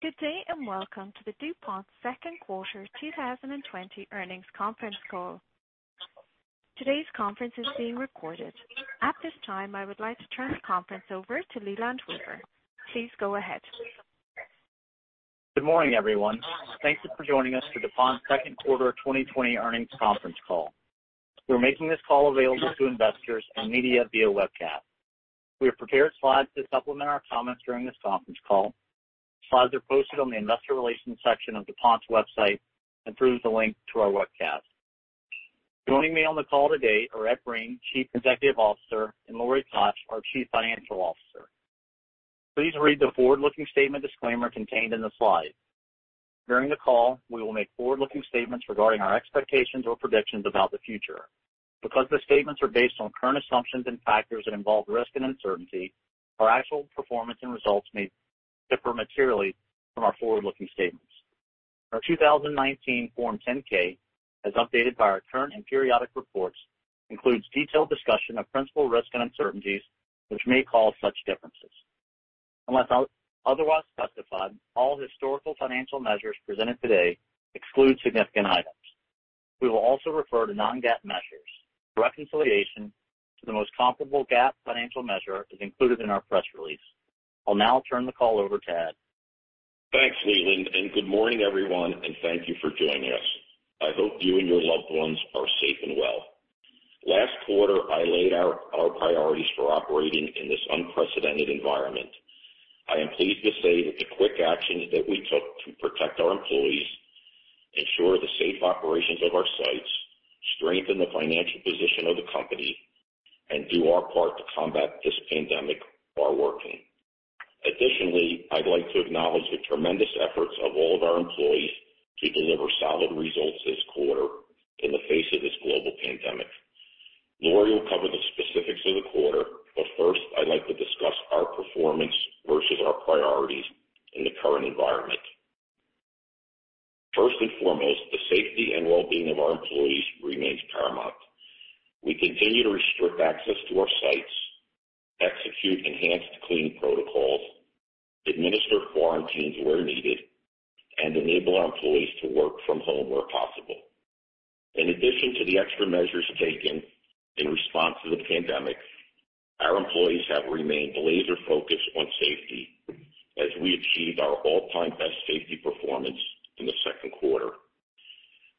Good day, and welcome to the DuPont second quarter 2020 earnings conference call. Today's conference is being recorded. At this time, I would like to turn the conference over to Leland Weaver. Please go ahead. Good morning, everyone. Thank you for joining us for DuPont's second quarter 2020 earnings conference call. We are making this call available to investors and media via webcast. We have prepared slides to supplement our comments during this conference call. Slides are posted on the investor relations section of DuPont's website and through the link to our webcast. Joining me on the call today are Ed Breen, Chief Executive Officer, and Lori Koch, our Chief Financial Officer. Please read the forward-looking statement disclaimer contained in the slides. During the call, we will make forward-looking statements regarding our expectations or predictions about the future. Because the statements are based on current assumptions and factors that involve risk and uncertainty, our actual performance and results may differ materially from our forward-looking statements. Our 2019 Form 10-K, as updated by our current and periodic reports, includes detailed discussion of principal risk and uncertainties, which may cause such differences. Unless otherwise specified, all historical financial measures presented today exclude significant items. We will also refer to non-GAAP measures. Reconciliation to the most comparable GAAP financial measure is included in our press release. I'll now turn the call over to Ed. Thanks, Leland, and good morning, everyone, and thank you for joining us. I hope you and your loved ones are safe and well. Last quarter, I laid out our priorities for operating in this unprecedented environment. I am pleased to say that the quick actions that we took to protect our employees, ensure the safe operations of our sites, strengthen the financial position of the company, and do our part to combat this pandemic are working. Additionally, I'd like to acknowledge the tremendous efforts of all of our employees to deliver solid results this quarter in the face of this global pandemic. Lori will cover the specifics of the quarter, but first, I'd like to discuss our performance versus our priorities in the current environment. First and foremost, the safety and well-being of our employees remains paramount. We continue to restrict access to our sites, execute enhanced cleaning protocols, administer quarantines where needed, and enable our employees to work from home where possible. In addition to the extra measures taken in response to the pandemic, our employees have remained laser-focused on safety as we achieved our all-time best safety performance in the second quarter.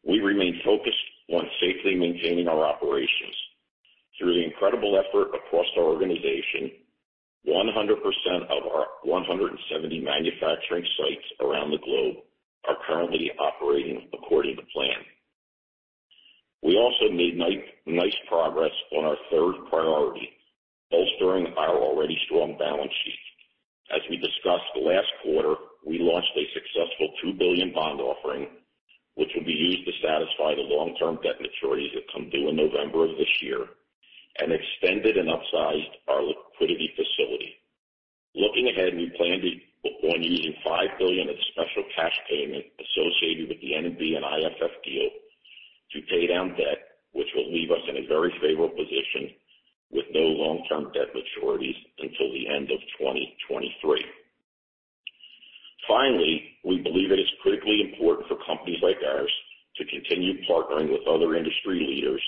We remain focused on safely maintaining our operations. Through the incredible effort across our organization, 100% of our 170 manufacturing sites around the globe are currently operating according to plan. We also made nice progress on our third priority, bolstering our already strong balance sheet. As we discussed last quarter, we launched a successful $2 billion bond offering, which will be used to satisfy the long-term debt maturities that come due in November of this year, and extended and upsized our liquidity facility. Looking ahead, we plan on using $5 billion of special cash payment associated with the N&B and IFF deal to pay down debt, which will leave us in a very favorable position with no long-term debt maturities until the end of 2023. Finally, we believe it is critically important for companies like ours to continue partnering with other industry leaders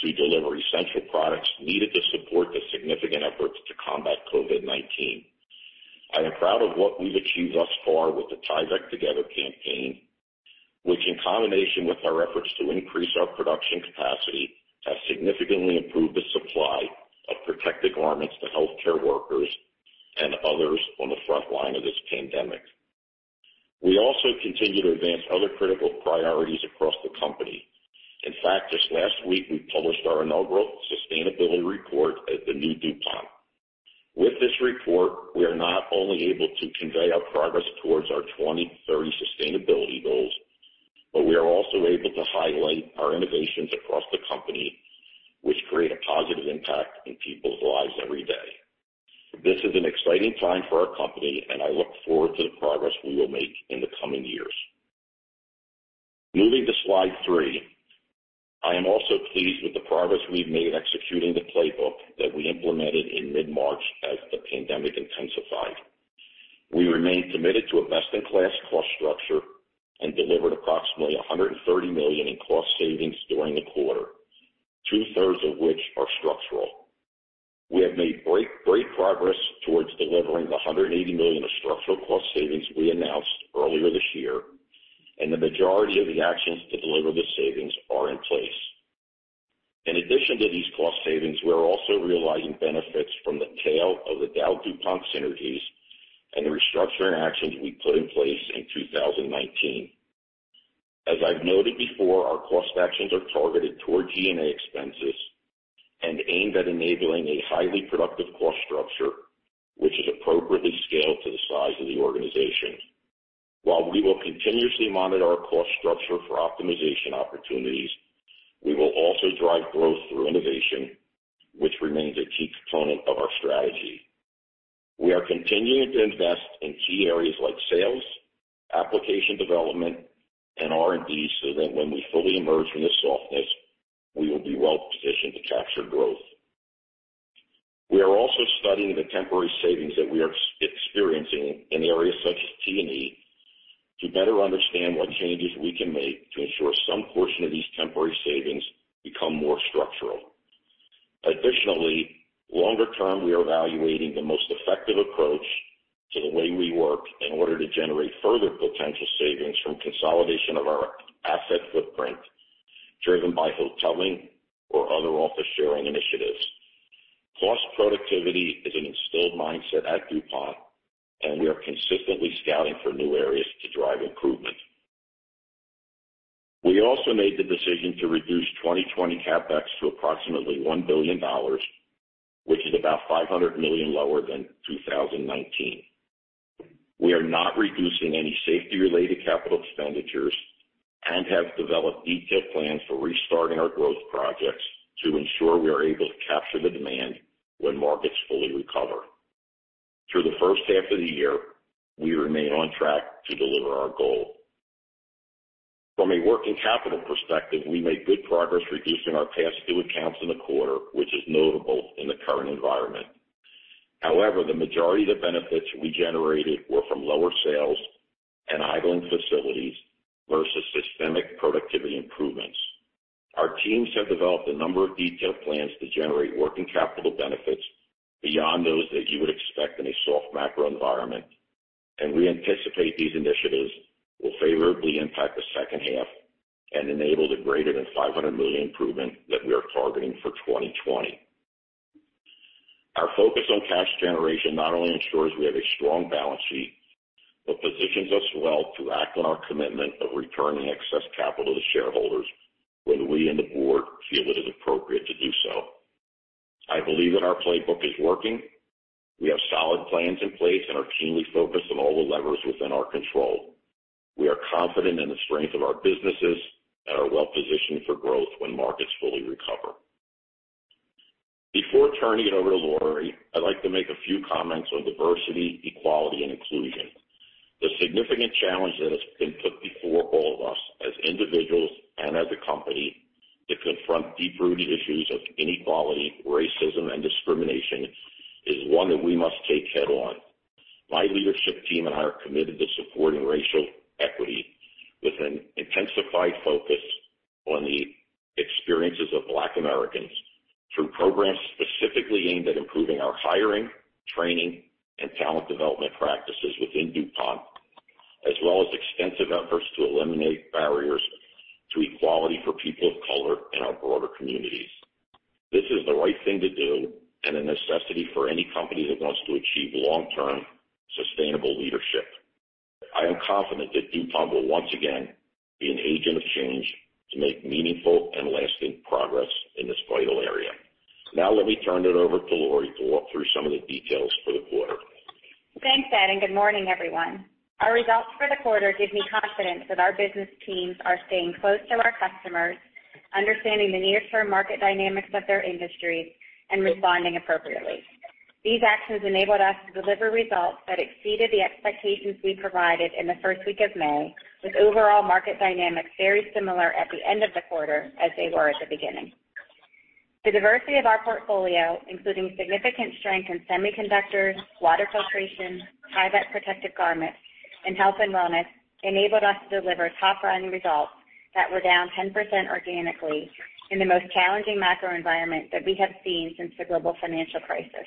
to deliver essential products needed to support the significant efforts to combat COVID-19. I am proud of what we've achieved thus far with the Tyvek Together campaign, which, in combination with our efforts to increase our production capacity, has significantly improved the supply of protective garments to healthcare workers and others on the front line of this pandemic. We also continue to advance other critical priorities across the company. In fact, just last week, we published our inaugural sustainability report at the new DuPont. With this report, we are not only able to convey our progress towards our 2030 sustainability goals, but we are also able to highlight our innovations across the company, which create a positive impact in people's lives every day. This is an exciting time for our company. I look forward to the progress we will make in the coming years. Moving to slide three, I am also pleased with the progress we've made executing the playbook that we implemented in mid-March as the pandemic intensified. We remain committed to a best-in-class cost structure. We delivered approximately $130 million in cost savings during the quarter, two-thirds of which are structural. We have made great progress towards delivering the $180 million of structural cost savings we announced earlier this year. The majority of the actions to deliver the savings are in place. In addition to these cost savings, we are also realizing benefits from the tail of the DowDuPont synergies and the restructuring actions we put in place in 2019. As I've noted before, our cost actions are targeted toward G&A expenses and aimed at enabling a highly productive cost structure, which is appropriately scaled to the size of the organization. While we will continuously monitor our cost structure for optimization opportunities, we will also drive growth through innovation, which remains a key component of our strategy. We are continuing to invest in key areas like sales, application development, and R&D so that when we fully emerge from this softness, we will be well positioned to capture growth. We are also studying the temporary savings that we are experiencing in areas such as T&E to better understand what changes we can make to ensure some portion of these temporary savings become more structural. Additionally, longer term, we are evaluating the most effective approach to the way we work in order to generate further potential savings from consolidation of our asset footprint, driven by hoteling or other office sharing initiatives. Cost productivity is an instilled mindset at DuPont, and we are consistently scouting for new areas to drive improvement. We also made the decision to reduce 2020 CapEx to approximately $1 billion, which is about $500 million lower than 2019. We are not reducing any safety-related CapEx and have developed detailed plans for restarting our growth projects to ensure we are able to capture the demand when markets fully recover. Through the first half of the year, we remain on track to deliver our goal. From a working capital perspective, we made good progress reducing our past due accounts in the quarter, which is notable in the current environment. However, the majority of the benefits we generated were from lower sales and idling facilities versus systemic productivity improvements. Our teams have developed a number of detailed plans to generate working capital benefits beyond those that you would expect in a soft macro environment, and we anticipate these initiatives will favorably impact the second half and enable the greater than $500 million improvement that we are targeting for 2020. Our focus on cash generation not only ensures we have a strong balance sheet, but positions us well to act on our commitment of returning excess capital to shareholders when we and the board feel it is appropriate to do so. I believe that our playbook is working. We have solid plans in place and are keenly focused on all the levers within our control. We are confident in the strength of our businesses and are well positioned for growth when markets fully recover. Before turning it over to Lori, I'd like to make a few comments on diversity, equality, and inclusion. The significant challenge that has been put before all of us, as individuals and as a company, to confront deep-rooted issues of inequality, racism, and discrimination, is one that we must take head on. My leadership team and I are committed to supporting racial equity with an intensified focus on the experiences of Black Americans through programs specifically aimed at improving our hiring, training, and talent development practices within DuPont, as well as extensive efforts to eliminate barriers to equality for people of color in our broader communities. This is the right thing to do and a necessity for any company that wants to achieve long-term sustainable leadership. I am confident that DuPont will once again be an agent of change to make meaningful and lasting progress in this vital area. Let me turn it over to Lori to walk through some of the details for the quarter. Thanks, Ed, and good morning, everyone. Our results for the quarter give me confidence that our business teams are staying close to our customers, understanding the near-term market dynamics of their industries, and responding appropriately. These actions enabled us to deliver results that exceeded the expectations we provided in the first week of May, with overall market dynamics very similar at the end of the quarter as they were at the beginning. The diversity of our portfolio, including significant strength in semiconductors, water filtration, Tyvek protective garments, and health and wellness, enabled us to deliver top-line results that were down 10% organically in the most challenging macro environment that we have seen since the global financial crisis.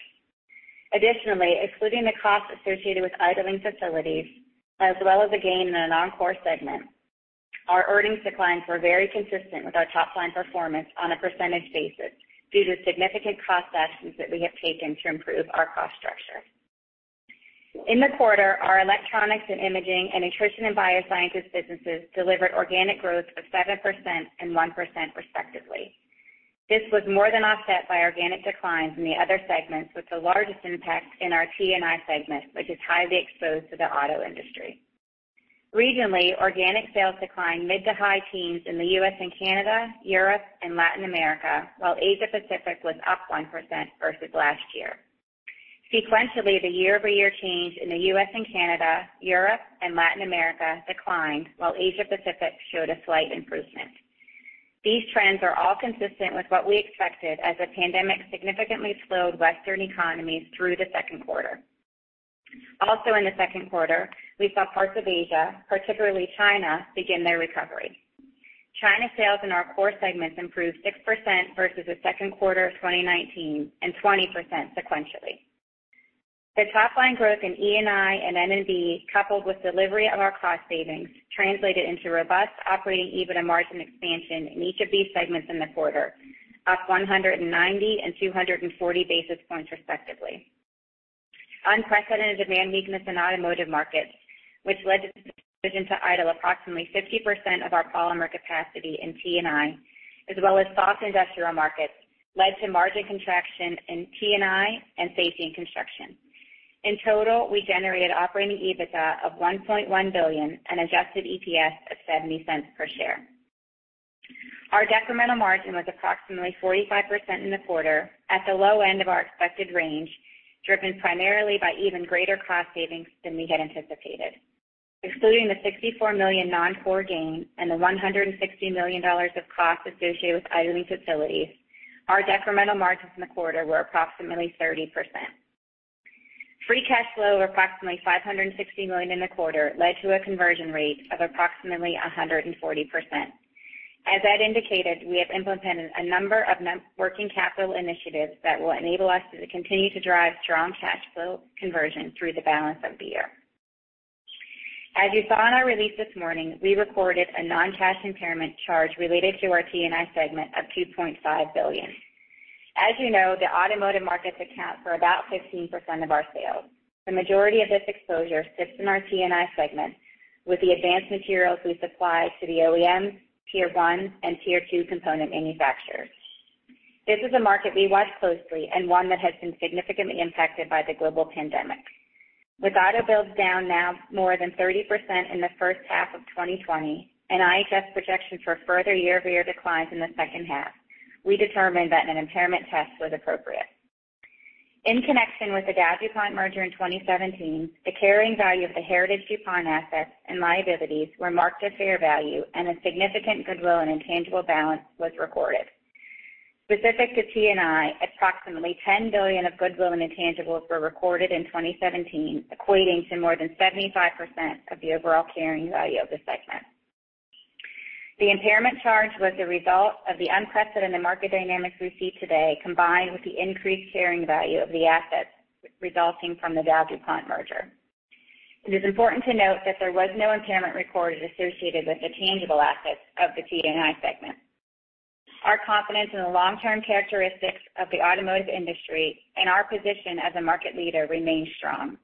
Additionally, excluding the costs associated with idling facilities, as well as a gain in a non-core segment, our earnings declines were very consistent with our top line performance on a percentage basis due to significant cost actions that we have taken to improve our cost structure. In the quarter, our Electronics & Imaging and Nutrition & Biosciences businesses delivered organic growth of 7% and 1%, respectively. This was more than offset by organic declines in the other segments, with the largest impact in our T&I segment, which is highly exposed to the auto industry. Regionally, organic sales declined mid to high teens in the U.S. and Canada, Europe, and Latin America, while Asia Pacific was up 1% versus last year. Sequentially, the year-over-year change in the U.S. and Canada, Europe, and Latin America declined while Asia Pacific showed a slight improvement. These trends are all consistent with what we expected as the COVID-19 pandemic significantly slowed Western economies through the second quarter. In the second quarter, we saw parts of Asia, particularly China, begin their recovery. China sales in our core segments improved 6% versus the second quarter of 2019 and 20% sequentially. The top-line growth in E&I and N&B, coupled with delivery of our cost savings, translated into robust operating EBITDA margin expansion in each of these segments in the quarter, up 190 and 240 basis points respectively. Unprecedented demand weakness in automotive markets, which led to the decision to idle approximately 50% of our polymer capacity in T&I, as well as soft industrial markets, led to margin contraction in T&I and Safety & Construction. In total, we generated operating EBITDA of $1.1 billion and adjusted EPS of $0.70 per share. Our decremental margin was approximately 45% in the quarter, at the low end of our expected range, driven primarily by even greater cost savings than we had anticipated. Excluding the $64 million non-core gain and the $160 million of costs associated with idling facilities, our decremental margins in the quarter were approximately 30%. Free cash flow of approximately $560 million in the quarter led to a conversion rate of approximately 140%. As Ed indicated, we have implemented a number of working capital initiatives that will enable us to continue to drive strong cash flow conversion through the balance of the year. As you saw in our release this morning, we recorded a non-cash impairment charge related to our T&I segment of $2.5 billion. As you know, the automotive markets account for about 15% of our sales. The majority of this exposure sits in our T&I segment with the advanced materials we supply to the OEMs, tier 1, and tier 2 component manufacturers. This is a market we watch closely and one that has been significantly impacted by the global pandemic. With auto builds down now more than 30% in the first half of 2020 and IHS projections for further year-over-year declines in the second half, we determined that an impairment test was appropriate. In connection with the DowDuPont merger in 2017, the carrying value of the heritage DuPont assets and liabilities were marked at fair value and a significant goodwill and intangible balance was recorded. Specific to T&I, approximately $10 billion of goodwill and intangibles were recorded in 2017, equating to more than 75% of the overall carrying value of the segment. The impairment charge was the result of the unprecedented market dynamics we see today, combined with the increased carrying value of the assets resulting from the DowDuPont merger. It is important to note that there was no impairment recorded associated with the tangible assets of the T&I segment. Our confidence in the long-term characteristics of the automotive industry and our position as a market leader remains strong.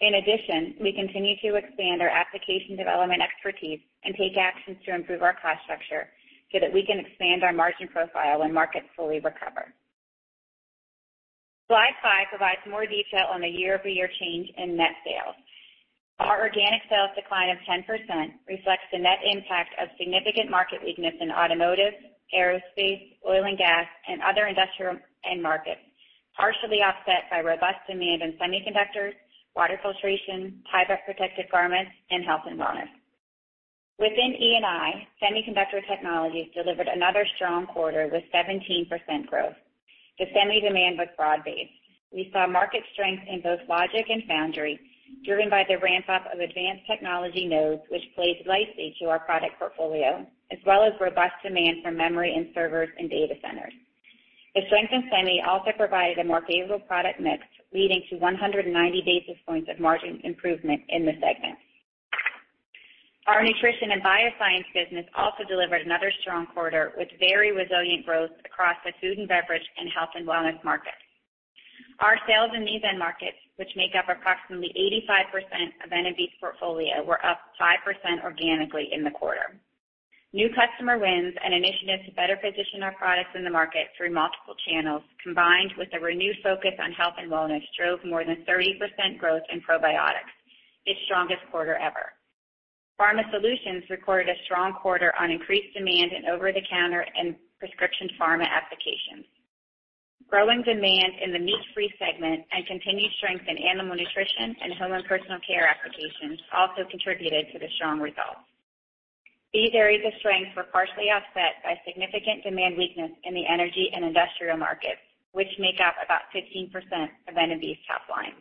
In addition, we continue to expand our application development expertise and take actions to improve our cost structure so that we can expand our margin profile when markets fully recover. Slide five provides more detail on the year-over-year change in net sales. Our organic sales decline of 10% reflects the net impact of significant market weakness in automotive, aerospace, oil and gas, and other industrial end markets, partially offset by robust demand in semiconductors, water filtration, Tyvek protective garments, and health and wellness. Within E&I, semiconductor technologies delivered another strong quarter with 17% growth. The semi demand was broad-based. We saw market strength in both logic and foundry, driven by the ramp-up of advanced technology nodes, which plays nicely to our product portfolio, as well as robust demand for memory and servers in data centers. The strength in semi also provided a more favorable product mix, leading to 190 basis points of margin improvement in the segment. Our Nutrition & Biosciences business also delivered another strong quarter with very resilient growth across the food and beverage and health and wellness markets. Our sales in these end markets, which make up approximately 85% of N&B's portfolio, were up 5% organically in the quarter. New customer wins and initiatives to better position our products in the market through multiple channels, combined with a renewed focus on health and wellness, drove more than 30% growth in probiotics, its strongest quarter ever. Pharma solutions recorded a strong quarter on increased demand in over-the-counter and prescription pharma applications. Growing demand in the meat-free segment and continued strength in animal nutrition and home and personal care applications also contributed to the strong results. These areas of strength were partially offset by significant demand weakness in the energy and industrial markets, which make up about 15% of N&B's top line.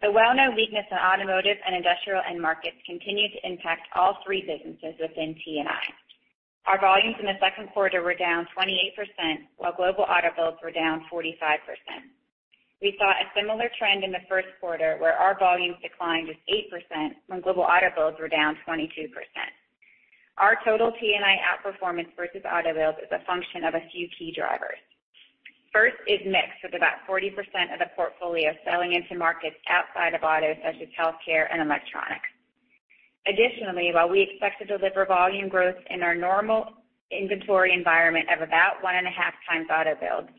The well-known weakness in automotive and industrial end markets continued to impact all three businesses within T&I. Our volumes in the second quarter were down 28%, while global auto builds were down 45%. We saw a similar trend in the first quarter, where our volumes declined just 8% when global auto builds were down 22%. Our total T&I outperformance versus auto builds is a function of a few key drivers. First is mix, with about 40% of the portfolio selling into markets outside of auto, such as healthcare and electronics. Additionally, while we expect to deliver volume growth in our normal inventory environment of about one and a half times auto builds,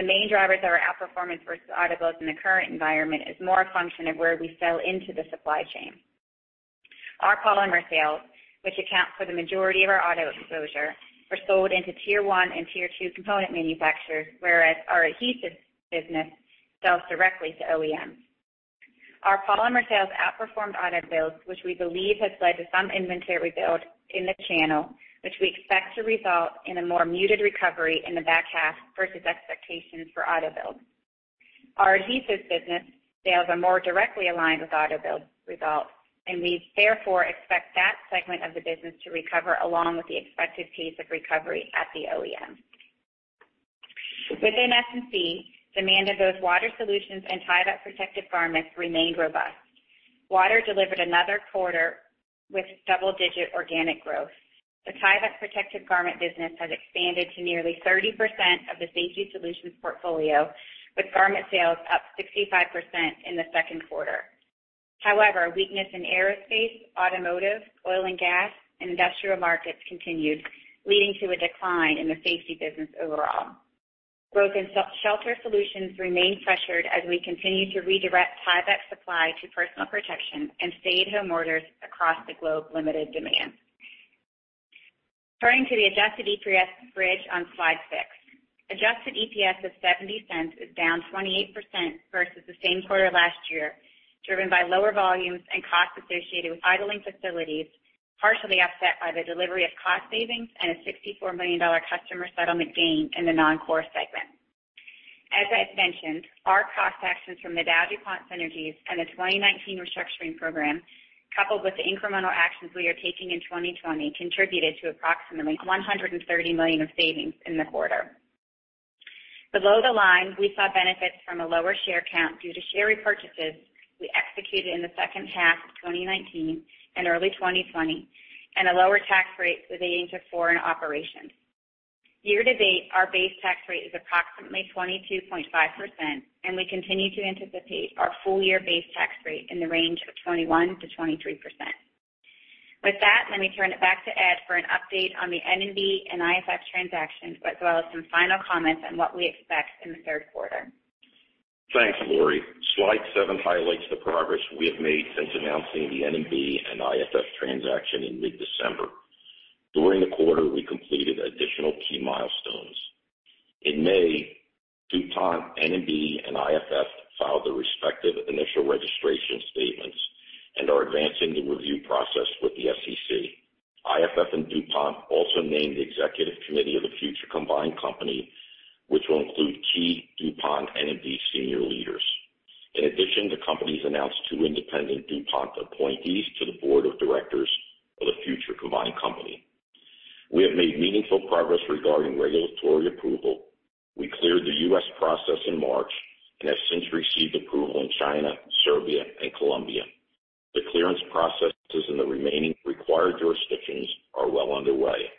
the main drivers of our outperformance versus auto builds in the current environment is more a function of where we sell into the supply chain. Our polymer sales, which account for the majority of our auto exposure, were sold into tier 1 and tier 2 component manufacturers, whereas our adhesives business sells directly to OEMs. Our polymer sales outperformed auto builds, which we believe has led to some inventory rebuild in the channel, which we expect to result in a more muted recovery in the back half versus expectations for auto builds. Our adhesives business sales are more directly aligned with auto build results, and we therefore expect that segment of the business to recover along with the expected pace of recovery at the OEM. Within S&C, demand of both water solutions and Tyvek protective garments remained robust. Water delivered another quarter with double-digit organic growth. The Tyvek protective garment business has expanded to nearly 30% of the Safety Solutions portfolio, with garment sales up 65% in the second quarter. However, weakness in aerospace, automotive, oil and gas, and industrial markets continued, leading to a decline in the safety business overall. Growth in shelter solutions remained pressured as we continued to redirect Tyvek supply to personal protection and stay-at-home orders across the globe limited demand. Turning to the adjusted EPS bridge on slide six. Adjusted EPS of $0.70 is down 28% versus the same quarter last year, driven by lower volumes and costs associated with idling facilities, partially offset by the delivery of cost savings and a $64 million customer settlement gain in the non-core segment. As I've mentioned, our cost actions from the DowDuPont synergies and the 2019 restructuring program, coupled with the incremental actions we are taking in 2020, contributed to approximately $130 million of savings in the quarter. Below the line, we saw benefits from a lower share count due to share repurchases we executed in the second half of 2019 and early 2020, and a lower tax rate relating to foreign operations. Year-to-date, our base tax rate is approximately 22.5%, and we continue to anticipate our full-year base tax rate in the range of 21%-23%. With that, let me turn it back to Ed for an update on the N&B and IFF transactions, as well as some final comments on what we expect in the third quarter. Thanks, Lori. Slide seven highlights the progress we have made since announcing the N&B and IFF transaction in mid-December. During the quarter, we completed additional key milestones. In May, DuPont, N&B, and IFF filed their respective initial registration statements and are advancing the review process with the SEC. IFF and DuPont also named the executive committee of the future combined company, which will include key DuPont and N&B senior leaders. The companies announced two independent DuPont appointees to the board of directors of the future combined company. We have made meaningful progress regarding regulatory approval. We cleared the U.S. process in March and have since received approval in China, Serbia, and Colombia. The clearance processes in the remaining required jurisdictions are well underway.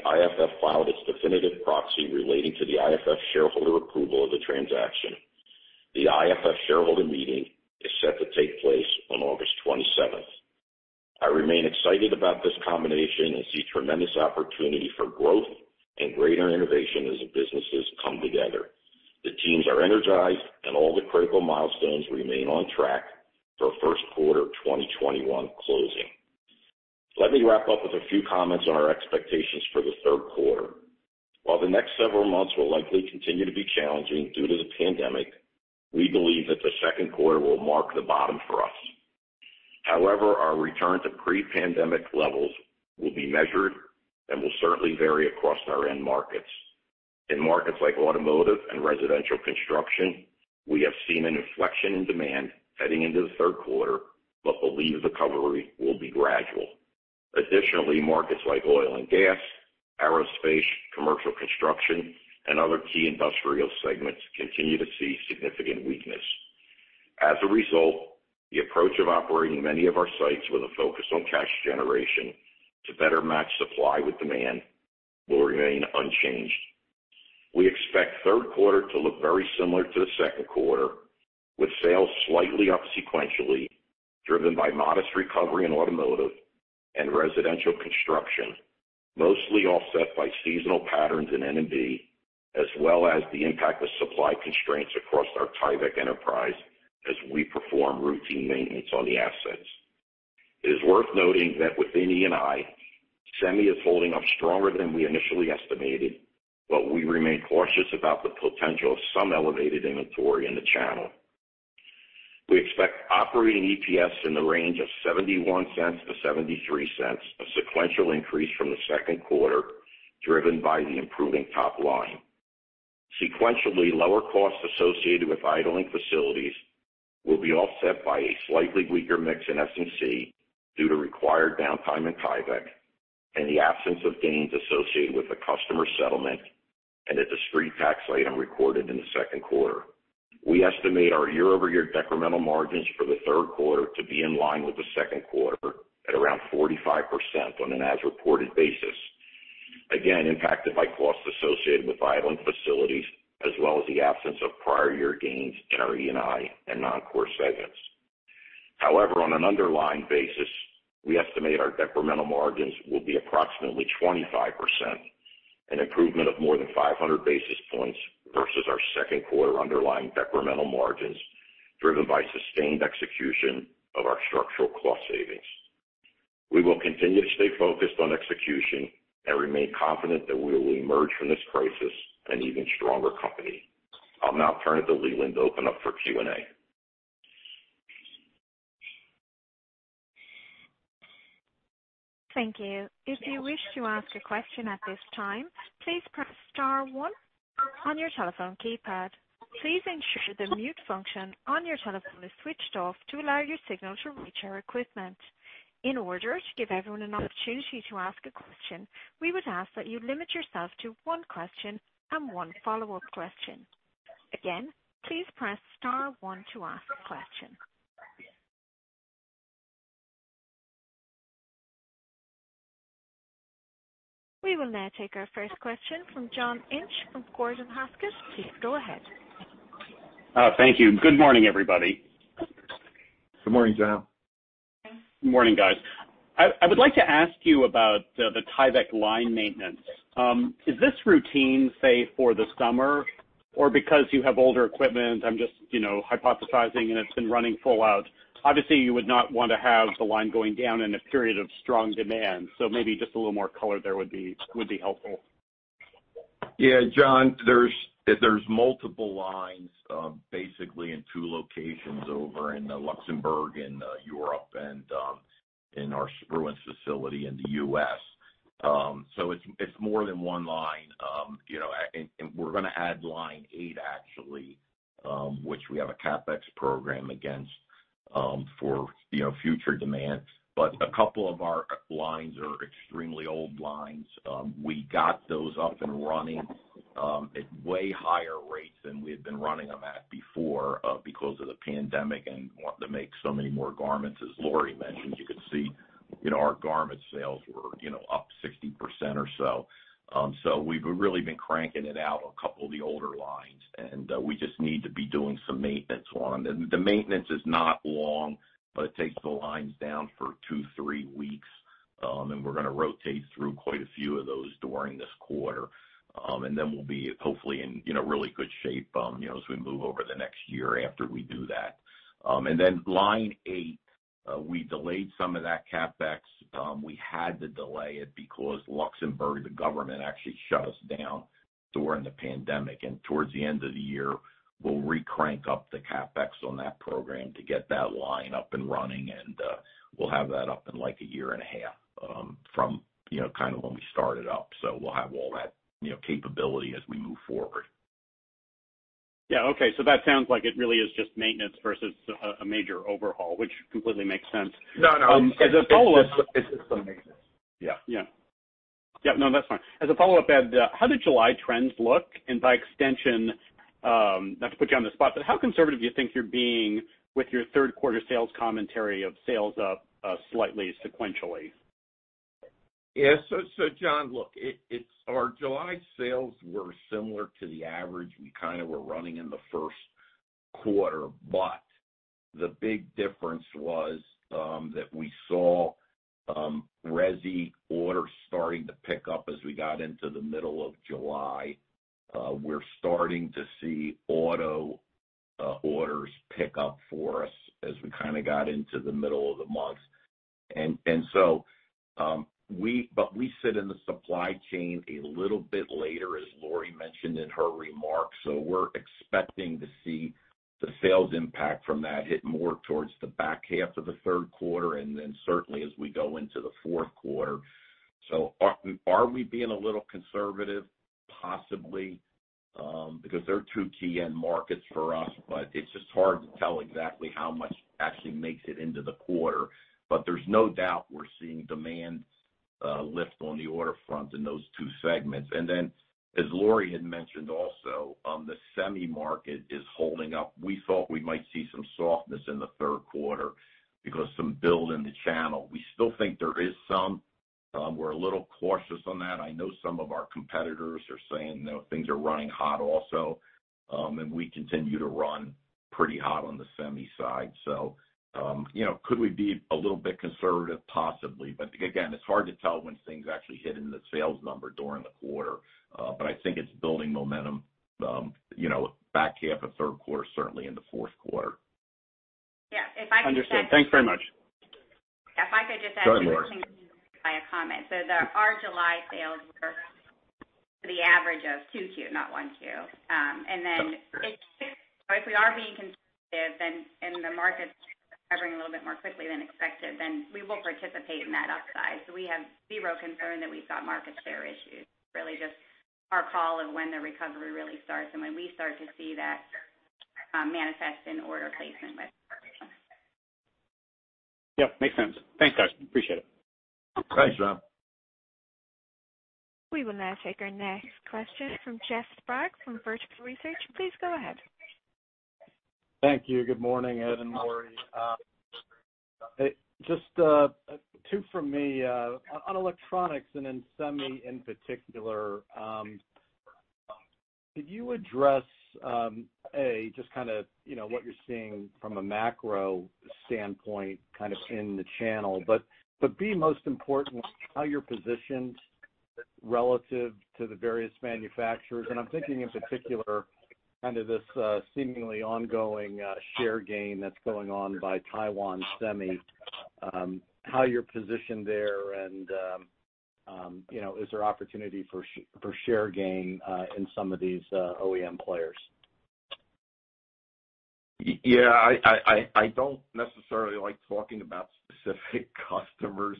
IFF filed its definitive proxy relating to the IFF shareholder approval of the transaction. The IFF shareholder meeting is set to take place on August 27th. I remain excited about this combination and see tremendous opportunity for growth and greater innovation as the businesses come together. The teams are energized, and all the critical milestones remain on track for first quarter 2021 closing. Let me wrap up with a few comments on our expectations for the third quarter. While the next several months will likely continue to be challenging due to the pandemic, we believe that the second quarter will mark the bottom for us. However, our return to pre-pandemic levels will be measured and will certainly vary across our end markets. In markets like automotive and residential construction, we have seen an inflection in demand heading into the third quarter, but believe the recovery will be gradual. Additionally, markets like oil and gas, aerospace, commercial construction, and other key industrial segments continue to see significant weakness. As a result, the approach of operating many of our sites with a focus on cash generation to better match supply with demand will remain unchanged. We expect the third quarter to look very similar to the second quarter, with sales slightly up sequentially, driven by modest recovery in automotive and residential construction, mostly offset by seasonal patterns in N&B, as well as the impact of supply constraints across our Tyvek enterprise as we perform routine maintenance on the assets. It is worth noting that within E&I, semi is holding up stronger than we initially estimated, but we remain cautious about the potential of some elevated inventory in the channel. We expect operating EPS in the range of $0.71-$0.73, a sequential increase from the second quarter, driven by the improving top line. Sequentially, lower costs associated with idling facilities will be offset by a slightly weaker mix in S&C due to required downtime in Tyvek and the absence of gains associated with a customer settlement and a discrete tax item recorded in the second quarter. We estimate our year-over-year decremental margins for the third quarter to be in line with the second quarter at around 45% on an as-reported basis. Again, impacted by costs associated with idling facilities, as well as the absence of prior year gains in our E&I and non-core segments. However, on an underlying basis, we estimate our decremental margins will be approximately 25%, an improvement of more than 500 basis points versus our second quarter underlying decremental margins, driven by sustained execution of our structural cost savings. We will continue to stay focused on execution and remain confident that we will emerge from this crisis an even stronger company. I'll now turn it to Leland to open up for Q&A. Thank you. If you wish to ask a question at this time, please press star one on your telephone keypad. Please ensure the mute function on your telephone is switched off to allow your signal to reach our equipment. In order to give everyone an opportunity to ask a question, we would ask that you limit yourself to one question and one follow-up question. Again, please press star one to ask a question. We will now take our first question from John Inch from Gordon Haskett. Please go ahead. Thank you. Good morning, everybody. Good morning, John. Good morning, guys. I would like to ask you about the Tyvek line maintenance. Is this routine, say, for the summer? Or because you have older equipment, I'm just hypothesizing, and it's been running full out. Obviously, you would not want to have the line going down in a period of strong demand, so maybe just a little more color there would be helpful. Yeah, John, there's multiple lines basically in two locations over in Luxembourg, in Europe, and in our Brevard facility in the U.S. It's more than one line. We're going to add line eight actually, which we have a CapEx program against for future demand. A couple of our lines are extremely old lines. We got those up and running at way higher rates than we had been running them at before because of the pandemic and wanting to make so many more garments. As Lori mentioned, you could see our garment sales were up 60% or so. We've really been cranking it out a couple of the older lines, and we just need to be doing some maintenance on them. The maintenance is not long, but it takes the lines down for two, three weeks. We're going to rotate through quite a few of those during this quarter. Then we'll be hopefully in really good shape as we move over the next year after we do that. Then line eight, we delayed some of that CapEx. We had to delay it because Luxembourg, the government actually shut us down during the pandemic. Towards the end of the year, we'll recrank up the CapEx on that program to get that line up and running, and we'll have that up in a year and a half from when we start it up. We'll have all that capability as we move forward. Yeah. Okay. That sounds like it really is just maintenance versus a major overhaul, which completely makes sense. No. As a follow-up. It's just some maintenance. Yeah. Yeah. No, that's fine. As a follow-up, Ed, how did July trends look? By extension, not to put you on the spot, but how conservative do you think you're being with your third quarter sales commentary of sales up slightly sequentially? Yeah. John, look, our July sales were similar to the average we kind of were running in the first quarter. The big difference was that we saw resi orders starting to pick up as we got into the middle of July. We're starting to see auto orders pick up for us as we kind of got into the middle of the month. We sit in the supply chain a little bit later, as Lori mentioned in her remarks. We're expecting to see the sales impact from that hit more towards the back half of the third quarter and then certainly as we go into the fourth quarter. Are we being a little conservative? Possibly. Because they're two key end markets for us, it's just hard to tell exactly how much actually makes it into the quarter. There's no doubt we're seeing demand lift on the order front in those two segments. As Lori had mentioned also, the semi market is holding up. We thought we might see some softness in the third quarter because some build in the channel. We still think there is some. We're a little cautious on that. I know some of our competitors are saying things are running hot also. We continue to run pretty hot on the semi side. Could we be a little bit conservative? Possibly. Again, it's hard to tell when things actually hit in the sales number during the quarter. I think it's building momentum, back half of third quarter, certainly in the fourth quarter. Yeah, if I could just- Understood. Thanks very much. If I could just add. Go ahead, Lori. by a comment. Our July sales were the average of 2Q, not 1Q. If we are being conservative, and the market is recovering a little bit more quickly than expected, then we will participate in that upside. We have zero concern that we've got market share issues. Really just our call of when the recovery really starts and when we start to see that manifest in order placement with our customers. Yep. Makes sense. Thanks, guys. Appreciate it. Thanks, John. We will now take our next question from Jeff Sprague from Vertical Research. Please go ahead. Thank you. Good morning, Ed and Lori. Just two from me. On Electronics and in semi in particular, could you address, A, what you're seeing from a macro standpoint in the channel. B, most importantly, how you're positioned relative to the various manufacturers. I'm thinking in particular, this seemingly ongoing share gain that's going on by Taiwan Semiconductor, how you're positioned there and is there opportunity for share gain in some of these OEM players? Yeah. I don't necessarily like talking about specific customers,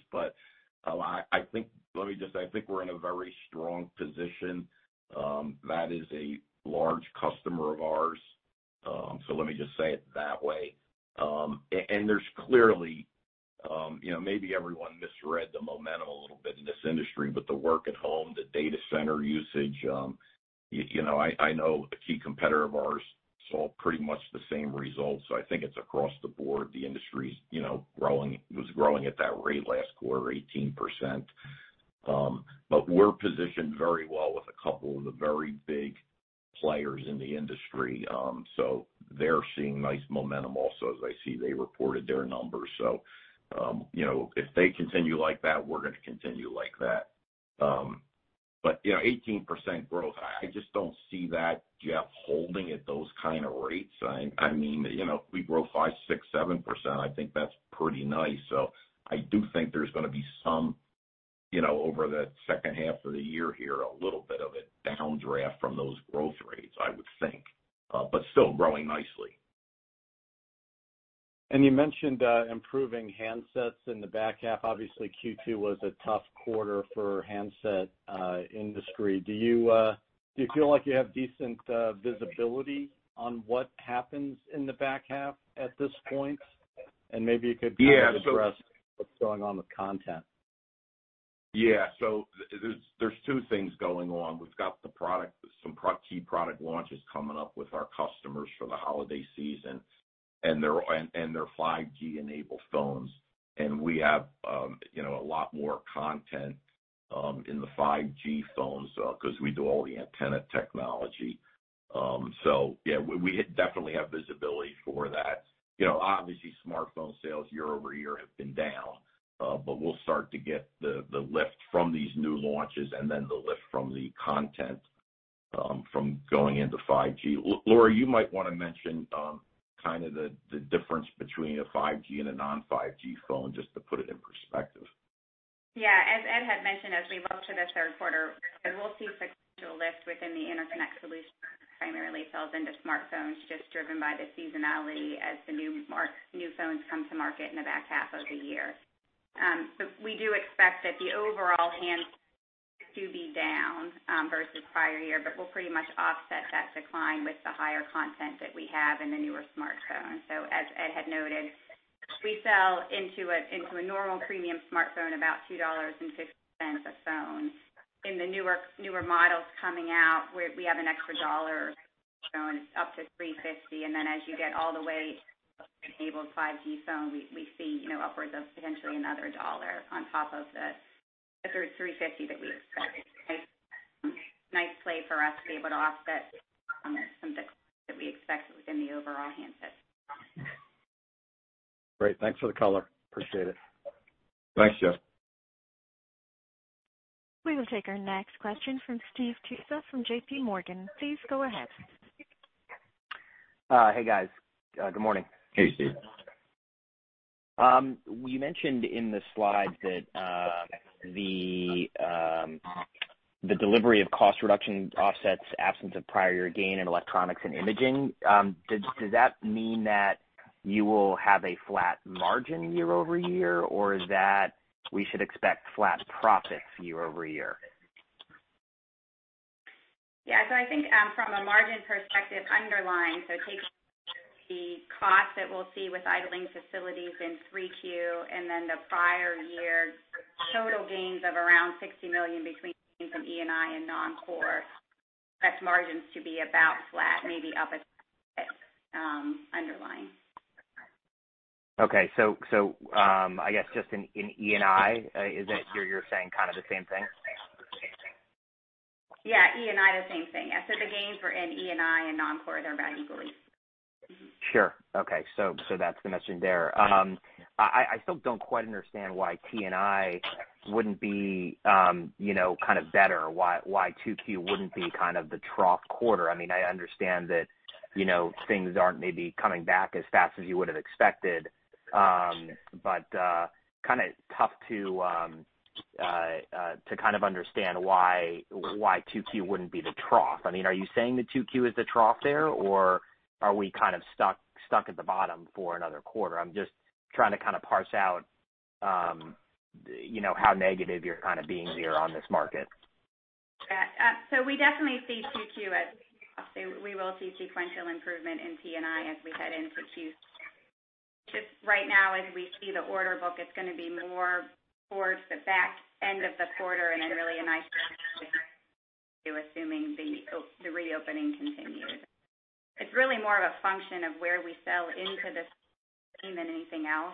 let me just say, I think we're in a very strong position. That is a large customer of ours, let me just say it that way. There's clearly maybe everyone misread the momentum a little bit in this industry with the work at home, the data center usage. I know a key competitor of ours saw pretty much the same results. I think it's across the board. The industry was growing at that rate last quarter, 18%. We're positioned very well with a couple of the very big players in the industry. They're seeing nice momentum also as I see they reported their numbers. If they continue like that, we're going to continue like that. 18% growth, I just don't see that, Jeff, holding at those kind of rates. If we grow 5%, 6%, 7%, I think that's pretty nice. I do think there's going to be some, over the second half of the year here, a little bit of a downdraft from those growth rates, I would think. Still growing nicely. You mentioned improving handsets in the back half. Obviously, Q2 was a tough quarter for handset industry. Do you feel like you have decent visibility on what happens in the back half at this point? Yeah. kind of address what's going on with content. Yeah. There's two things going on. We've got some key product launches coming up with our customers for the holiday season, and they're 5G-enabled phones. We have a lot more content in the 5G phones, because we do all the antenna technology. Yeah, we definitely have visibility for that. Obviously, smartphone sales year-over-year have been down. We'll start to get the lift from these new launches and then the lift from the content from going into 5G. Lori, you might want to mention kind of the difference between a 5G and a non-5G phone, just to put it in perspective. As Ed had mentioned, as we look to the third quarter, we'll see sequential lift within the interconnect solution that primarily sells into smartphones, just driven by the seasonality as the new phones come to market in the back half of the year. We do expect that the overall handsets to be down versus prior year, but we'll pretty much offset that decline with the higher content that we have in the newer smartphone. As Ed had noted, we sell into a normal premium smartphone about $2.60 a phone. In the newer models coming out, we have an extra dollar phone up to $3.50. As you get all the way enabled 5G phone, we see upwards of potentially another $1 on top of the $3.50 that we expect. Nice play for us to be able to offset some declines that we expect within the overall handset. Great. Thanks for the color. Appreciate it. Thanks, Jeff. We will take our next question from Steve Tusa from JPMorgan. Please go ahead. Hey, guys. Good morning. Hey, Steve. You mentioned in the slides that the delivery of cost reduction offsets absence of prior year gain in Electronics & Imaging. Does that mean that you will have a flat margin year-over-year, or is that we should expect flat profits year-over-year? Yeah. I think from a margin perspective underlying, taking the cost that we'll see with idling facilities in 3Q, the prior year total gains of around $60 million between gain from E&I and non-core, that's margins to be about flat, maybe up a tick underlying. Okay. I guess just in E&I, is that you're saying kind of the same thing? Yeah, E&I, the same thing. The gains for in E&I and non-core are about equal. Sure. Okay. That's the messaging there. I still don't quite understand why T&I wouldn't be kind of better. Why 2Q wouldn't be kind of the trough quarter. I understand that things aren't maybe coming back as fast as you would've expected. Kind of tough to understand why 2Q wouldn't be the trough. Are you saying that 2Q is the trough there, or are we kind of stuck at the bottom for another quarter? I'm just trying to kind of parse out how negative you're kind of being here on this market. We definitely see 2Q as a trough. We will see sequential improvement in T&I as we head into 2H. Just right now, as we see the order book, it's going to be more towards the back end of the quarter and then really a nice ramp into assuming the reopening continues. It's really more of a function of where we sell into the chain than anything else.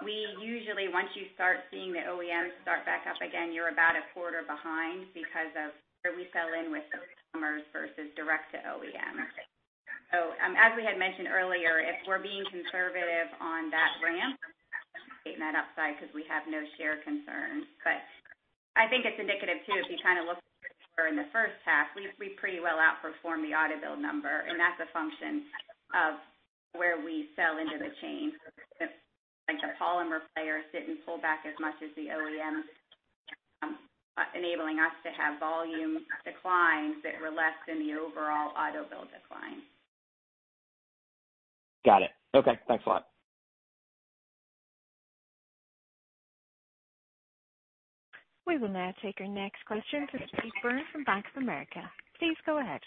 We usually, once you start seeing the OEMs start back up again, you're about a quarter behind because of where we sell in with those customers versus direct to OEM. As we had mentioned earlier, if we're being conservative on that ramp, upside because we have no share concerns. I think it's indicative too, if you kind of look for in the first half, we pretty well outperformed the auto build number, and that's a function of where we sell into the chain. The polymer players didn't pull back as much as the OEMs, enabling us to have volume declines that were less than the overall auto build decline. Got it. Okay. Thanks a lot. We will now take our next question from Steve Byrne from Bank of America. Please go ahead.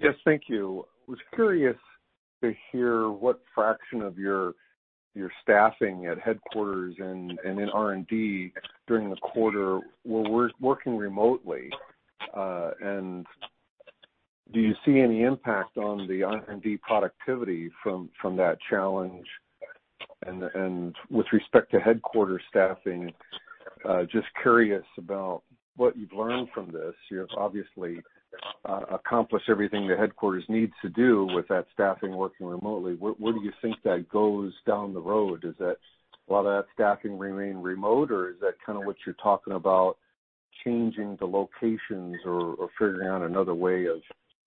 Yes, thank you. I was curious to hear what fraction of your staffing at headquarters and in R&D during the quarter were working remotely. Do you see any impact on the R&D productivity from that challenge? With respect to headquarter staffing, just curious about what you've learned from this. You have obviously accomplish everything the headquarters needs to do with that staffing working remotely. Where do you think that goes down the road? Does a lot of that staffing remain remote, or is that kind of what you're talking about, changing the locations or figuring out another way of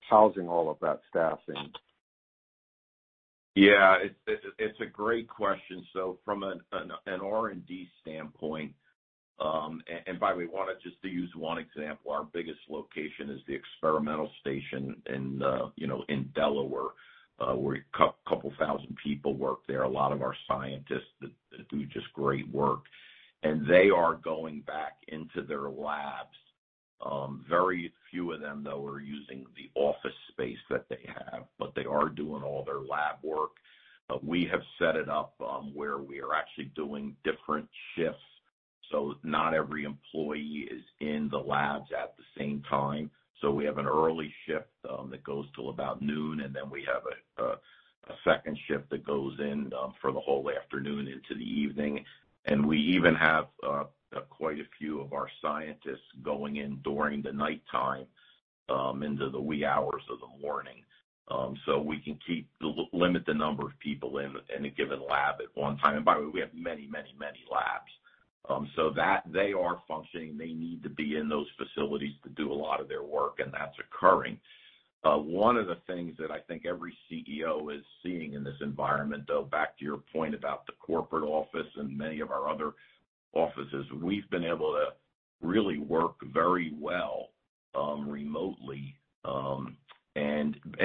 housing all of that staffing? It's a great question. From an R&D standpoint, by the way, wanted just to use one example, our biggest location is the Experimental station in Delaware, where a couple thousand people work there, a lot of our scientists that do just great work. They are going back into their labs. Very few of them, though, are using the office space that they have, but they are doing all their lab work. We have set it up where we are actually doing different shifts, not every employee is in the labs at the same time. We have an early shift that goes till about noon. We have a second shift that goes in for the whole afternoon into the evening. We even have quite a few of our scientists going in during the nighttime, into the wee hours of the morning. We can limit the number of people in a given lab at one time. By the way, we have many, many, many labs. They are functioning. They need to be in those facilities to do a lot of their work, and that's occurring. One of the things that I think every CEO is seeing in this environment, though, back to your point about the corporate office and many of our other offices, we've been able to really work very well remotely.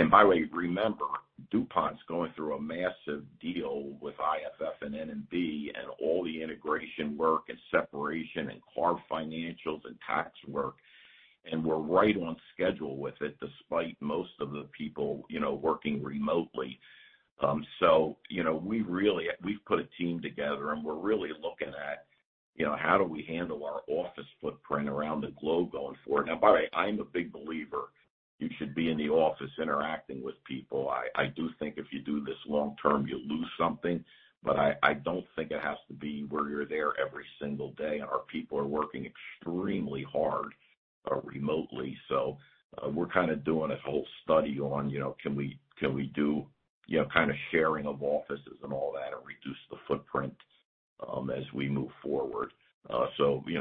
By the way, remember, DuPont's going through a massive deal with IFF and N&B and all the integration work and separation and carve financials and tax work, and we're right on schedule with it despite most of the people working remotely. We've put a team together, and we're really looking at how do we handle our office footprint around the globe going forward. By the way, I'm a big believer you should be in the office interacting with people. I do think if you do this long term, you lose something, but I don't think it has to be where you're there every single day, and our people are working extremely hard remotely. We're kind of doing a whole study on can we do kind of sharing of offices and all that or reduce the footprint as we move forward.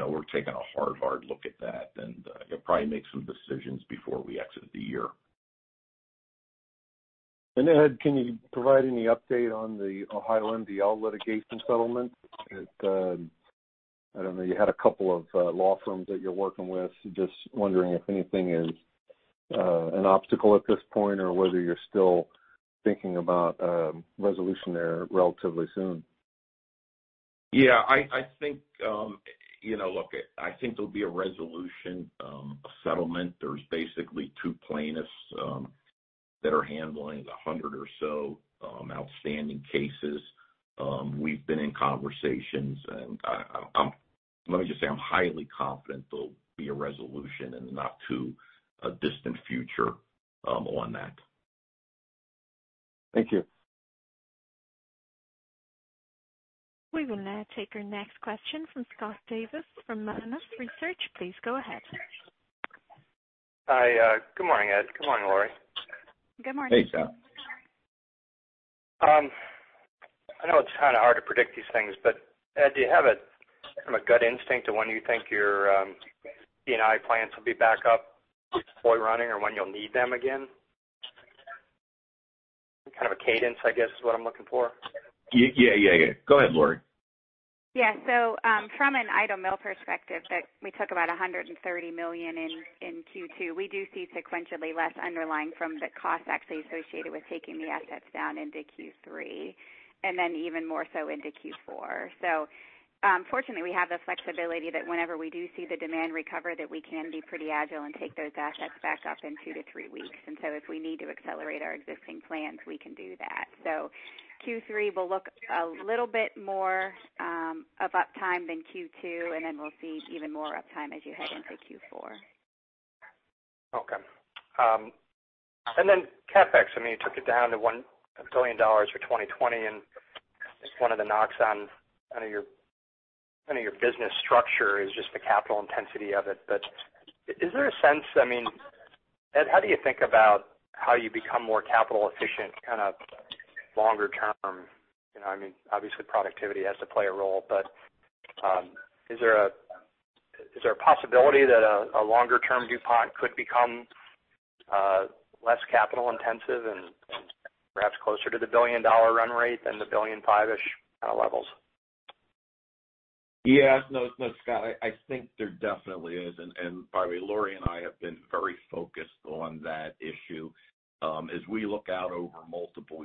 We're taking a hard look at that and probably make some decisions before we exit the year. Ed, can you provide any update on the Ohio MDL litigation settlement? I don't know, you had a couple of law firms that you're working with. Just wondering if anything is an obstacle at this point or whether you're still thinking about a resolution there relatively soon? Yeah, look, I think there'll be a resolution, a settlement. There's basically two plaintiffs that are handling the 100 or so outstanding cases. We've been in conversations. Let me just say, I'm highly confident there'll be a resolution in the not too distant future on that. Thank you. We will now take our next question from Scott Davis from Melius Research. Please go ahead. Hi, good morning, Ed. Good morning, Lori. Hey, Scott. I know it's kind of hard to predict these things, Ed, do you have a kind of a gut instinct to when you think your T&I plants will be back up fully running or when you'll need them again? Kind of a cadence, I guess, is what I'm looking for. Yeah. Go ahead, Lori. From an idle mill perspective that we took about $130 million in Q2, we do see sequentially less underlying from the cost actually associated with taking the assets down into Q3, and then even more so into Q4. Fortunately, we have the flexibility that whenever we do see the demand recover, that we can be pretty agile and take those assets back up in two to three weeks. If we need to accelerate our existing plans, we can do that. Q3 will look a little bit more of uptime than Q2, and then we'll see even more uptime as you head into Q4. Okay. CapEx, you took it down to $1 billion for 2020, and one of the knocks on kind of your business structure is just the capital intensity of it. Is there a sense, Ed, how do you think about how you become more capital efficient kind of longer term? Obviously, productivity has to play a role, but is there a possibility that a longer-term DuPont could become less capital intensive and perhaps closer to the billion-dollar run rate than the $1.5 billion-ish levels? Yes. No, Scott, I think there definitely is. By the way, Lori and I have been very focused on that issue. As we look out over multiple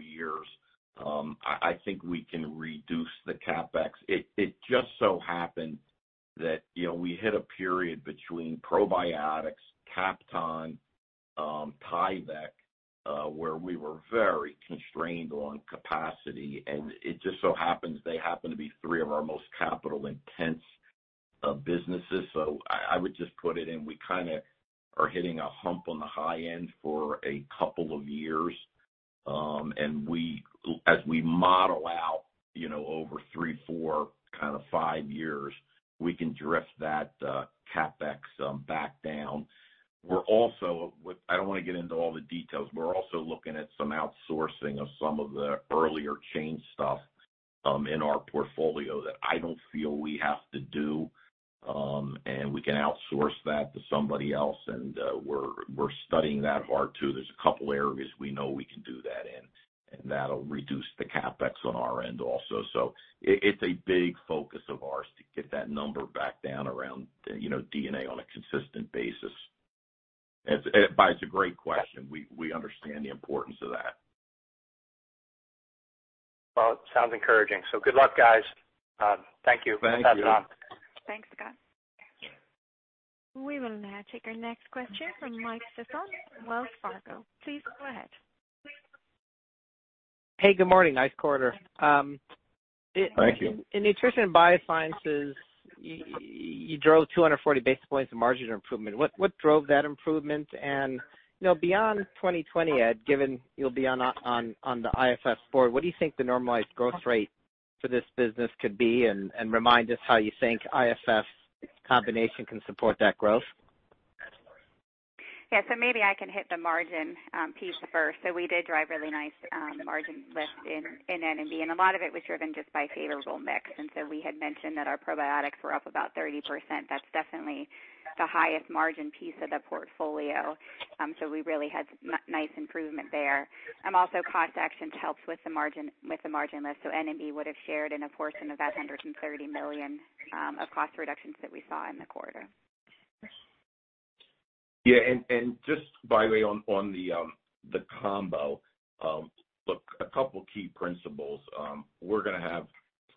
years, I think we can reduce the CapEx. It just so happened that we hit a period between probiotics, Kapton, Tyvek, where we were very constrained on capacity. It just so happens they happen to be three of our most capital-intense businesses. I would just put it in, we kind of are hitting a hump on the high end for a couple of years. As we model out over three, four, kind of five years, we can drift that CapEx back down. I don't want to get into all the details, but we're also looking at some outsourcing of some of the earlier chain stuff in our portfolio that I don't feel we have to do, and we can outsource that to somebody else. We're studying that hard, too. There's a couple areas we know we can do that in, and that'll reduce the CapEx on our end also. It's a big focus of ours to get that number back down around D&A on a consistent basis. It's a great question. We understand the importance of that. Well, it sounds encouraging. Good luck, guys. Thank you. Thank you. Thanks, Scott. We will now take our next question from Mike Sison, Wells Fargo Securities. Please go ahead. Hey, good morning. Nice quarter. Thank you. In Nutrition & Biosciences, you drove 240 basis points of margin improvement. What drove that improvement? Beyond 2020, Ed, given you'll be on the IFF's board, what do you think the normalized growth rate for this business could be? Remind us how you think IFF's combination can support that growth. Maybe I can hit the margin piece first. We did drive really nice margin lift in N&B, and a lot of it was driven just by favorable mix. We had mentioned that our probiotics were up about 30%. That's definitely the highest margin piece of the portfolio. We really had nice improvement there. Also, cost actions helped with the margin lift, so N&B would have shared in a portion of that $130 million of cost reductions that we saw in the quarter. Just by the way, on the combo, look, a couple key principles. We're going to have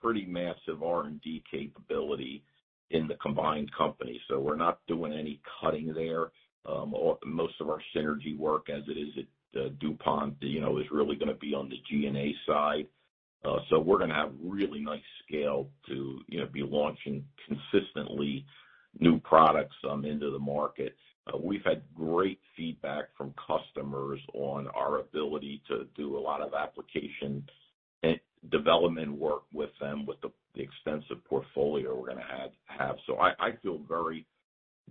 pretty massive R&D capability in the combined company, so we're not doing any cutting there. Most of our synergy work as it is at DuPont is really going to be on the G&A side. We're going to have really nice scale to be launching consistently new products into the market. We've had great feedback from customers on our ability to do a lot of application development work with them with the extensive portfolio we're going to have. I feel very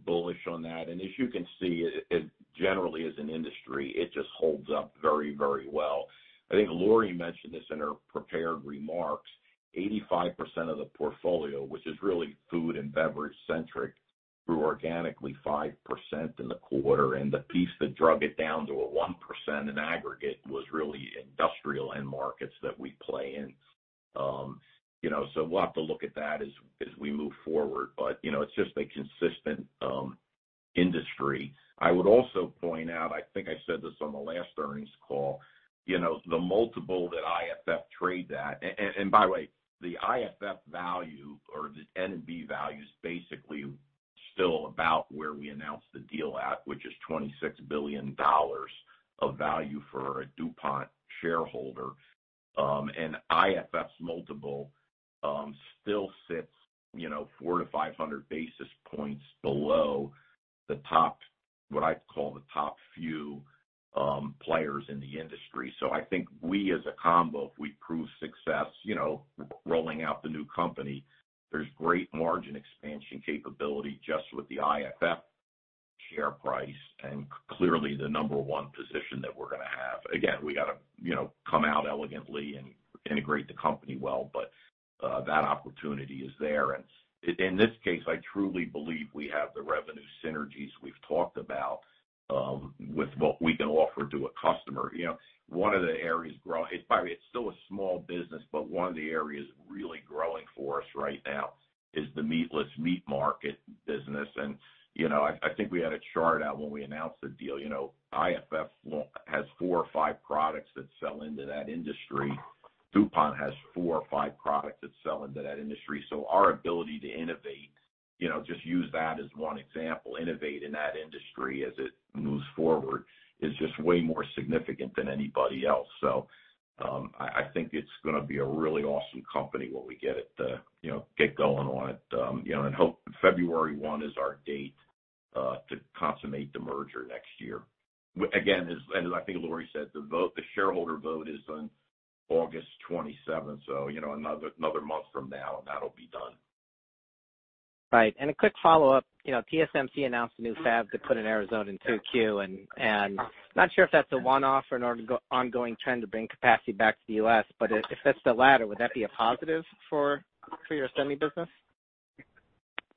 bullish on that. As you can see, generally as an industry, it just holds up very well. I think Lori mentioned this in her prepared remarks. 85% of the portfolio, which is really food and beverage centric, grew organically 5% in the quarter, and the piece that drug it down to a 1% in aggregate was really industrial end markets that we play in. We'll have to look at that as we move forward. It's just a consistent industry. I would also point out, I think I said this on the last earnings call, the multiple that IFF trade at, and by the way, the IFF value or the N&B value is basically still about where we announced the deal at, which is $26 billion of value for a DuPont shareholder. IFF's multiple still sits 400 to 500 basis points below what I call the top few players in the industry. I think we, as a combo, if we prove success rolling out the new company, there's great margin expansion capability just with the IFF share price and clearly the number one position that we're going to have. Again, we got to come out elegantly and integrate the company well, but that opportunity is there. In this case, I truly believe we have the revenue synergies we've talked about with what we can offer to a customer. It's still a small business, but one of the areas really growing for us right now is the meatless meat market business. I think we had a chart out when we announced the deal. IFF has four or five products that sell into that industry. DuPont has four or five products that sell into that industry. Our ability to innovate, just use that as one example, innovate in that industry as it moves forward is just way more significant than anybody else. I think it's going to be a really awesome company when we get going on it. February 1 is our date to consummate the merger next year. Again, as I think Lori said, the shareholder vote is on August 27. Another month from now, and that'll be done. Right. A quick follow-up. TSMC announced a new fab to put in Arizona in 2Q, and not sure if that's a one-off or an ongoing trend to bring capacity back to the U.S. If that's the latter, would that be a positive for your semi business?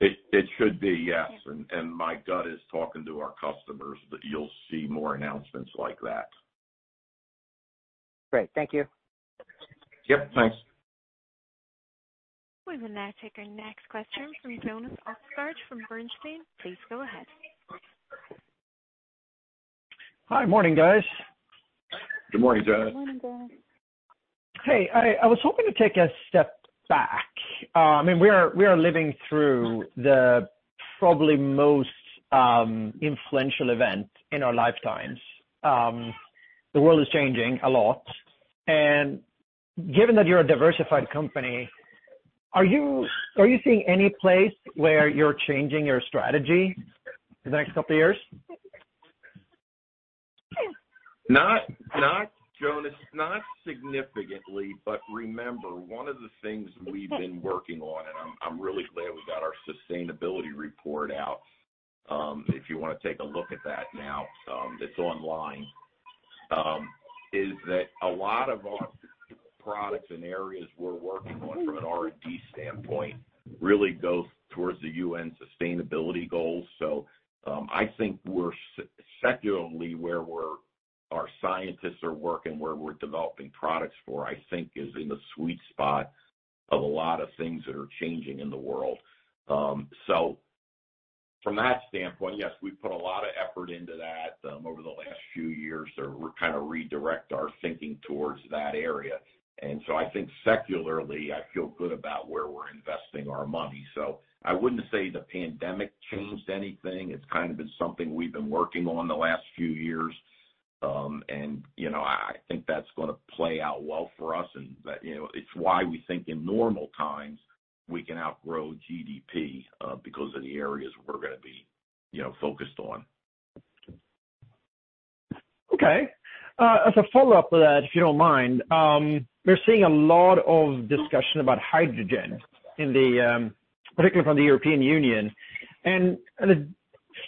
It should be, yes. My gut is talking to our customers, that you'll see more announcements like that. Great. Thank you. Yep, thanks. We will now take our next question from Jonas Oxgaard from Bernstein. Please go ahead. Hi. Morning, guys. Good morning, Jonas. Morning, Jonas. Hey, I was hoping to take a step back. I mean, we are living through the probably most influential event in our lifetimes. The world is changing a lot. Given that you're a diversified company. Are you seeing any place where you're changing your strategy for the next couple of years? Jonas, not significantly. Remember, one of the things we've been working on, and I'm really glad we got our sustainability report out, if you want to take a look at that now, it's online. Is that a lot of our products and areas we're working on from an R&D standpoint really goes towards the UN sustainability goals. I think secularly, where our scientists are working, where we're developing products for, I think is in the sweet spot of a lot of things that are changing in the world. From that standpoint, yes, we've put a lot of effort into that over the last few years to kind of redirect our thinking towards that area. I think secularly, I feel good about where we're investing our money. I wouldn't say the pandemic changed anything. It's kind of been something we've been working on the last few years. I think that's going to play out well for us, and it's why we think in normal times we can outgrow GDP, because of the areas we're going to be focused on. Okay. As a follow-up to that, if you don't mind, we're seeing a lot of discussion about hydrogen, particularly from the European Union, and